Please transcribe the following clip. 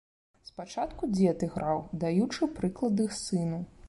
Спачатку дзед іграў, даючы прыклады сыну.